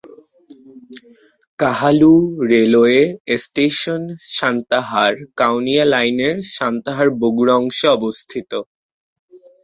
Kahalu railway station Santahar-Kaunia লাইনের সান্তাহার-বগুড়া অংশে অবস্থিত।